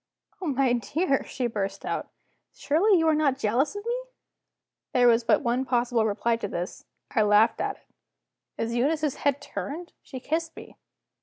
"Oh, my dear," she burst out, "surely you are not jealous of me?" There was but one possible reply to this: I laughed at it. Is Eunice's head turned? She kissed me!